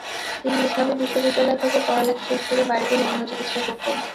তিনি ইসলামী বিশ্ববিদ্যালয় থেকে পড়ালেখা শেষ করে বাড়িতে হোমিও চিকিৎসা করতেন।